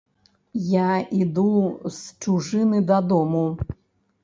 Я іду з чужыны дадому.